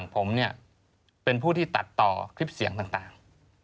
ผมเป็นผู้ที่ตัดต่อคลิปเสียงต่าง